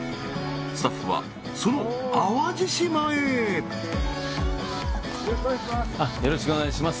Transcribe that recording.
スタッフはその淡路島へよろしくお願いします